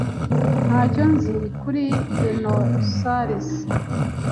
Ntacyo nzi kuri dinosaurs.